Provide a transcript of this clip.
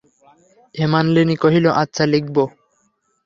হেমনলিনী কহিল, আচ্ছা, লিখব।